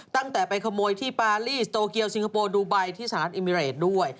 ตั้งแต่ไปขโมยที่ปารีสโตเกียวซิงคโปร์ดูไบที่สหรัฐอิมิเรตด้วย